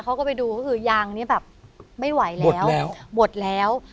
เขาก็ไปดูก็คือยางนี้แบบไม่ไหวแล้วหมดแล้ว